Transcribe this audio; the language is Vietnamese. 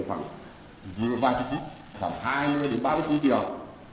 khoảng vừa ba mươi phút khoảng hai mươi đến ba mươi triệu